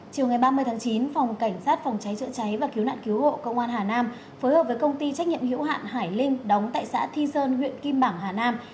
chiều ngày ba mươi tháng chín phòng cảnh sát phòng cháy chữa cháy và cứu nạn cứu hộ công an hà nam phối hợp với công ty trách nhiệm hữu hạn hải linh đóng tại xã thi sơn huyện kim bảng hà nam